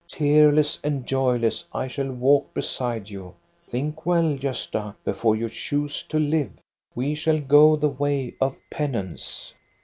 Tearless and joyless I shall walk beside you. Think well, Gosta, before you choose to live. We shall go the way of penance."